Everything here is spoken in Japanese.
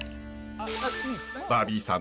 バービーさん